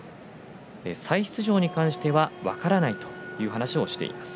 再出場に関しては分からないという話をしています。